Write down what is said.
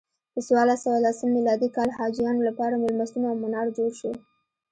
په څوارلس سوه لسم میلادي کال حاجیانو لپاره میلمستون او منار جوړ شو.